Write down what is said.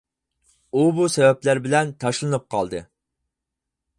ئۇ بۇ سەۋەبلەر بىلەن تاشلىنىپ قالدى.